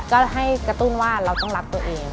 ก็ให้กระตุ้นว่าเราต้องรักตัวเอง